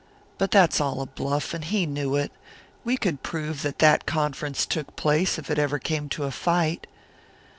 But that's all a bluff, and he knew it; we could prove that that conference took place, if it ever came to a fight."